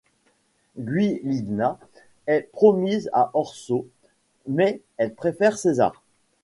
Giulina est promise à Orso mais elle préfère César.